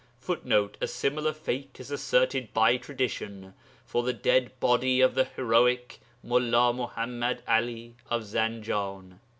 [Footnote: A similar fate is asserted by tradition for the dead body of the heroic Mullā Muḥammad 'Ali of Zanjan.